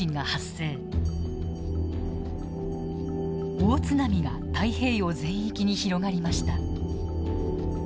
大津波が太平洋全域に広がりました。